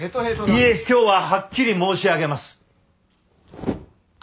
いいえ今日ははっきり申し上げます。